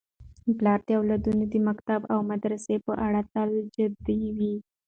پلار د اولادونو د مکتب او مدرسې په اړه تل جدي وي.